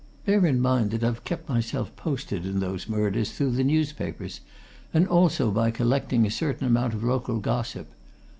Bear in mind that I've kept myself posted in those murders through the newspapers, and also by collecting a certain amount of local gossip.